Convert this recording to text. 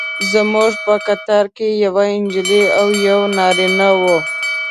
زموږ په قطار کې یوه نجلۍ او یو نارینه و.